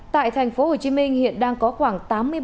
tại tp hcm hiện đang có khoảng